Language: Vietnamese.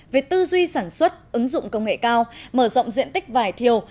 về tư duy sản xuất ứng dụng công nghệ cao mở rộng diện tích vải thiều